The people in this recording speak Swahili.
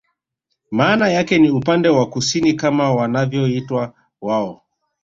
Maana yake ni upande wa kusini kama wanavyoita wao